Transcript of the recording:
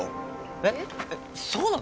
えっそうなの？